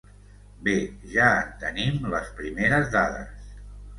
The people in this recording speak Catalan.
Bé, ja en tenim les primeres dades.